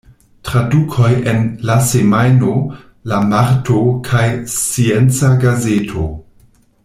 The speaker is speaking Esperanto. Tradukoj en "La Semajno", "La Marto" kaj "Scienca Gazeto".